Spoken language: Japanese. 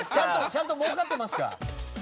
ちゃんと儲かってますか？